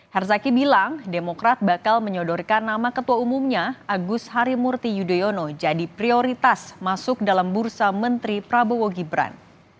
herzaki bilang demokrat bakal menyodorkan nama ketua umumnya agus harimurti yudhoyono jadi prioritas masuk dalam bursa menteri prabowo gibran